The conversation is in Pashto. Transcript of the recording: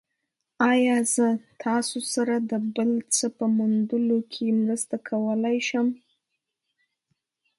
ایا زه تاسو سره د بل څه په موندلو کې مرسته کولی شم؟